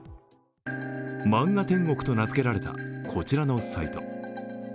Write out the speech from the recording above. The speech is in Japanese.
漫画天国と名付けられたこちらのサイト。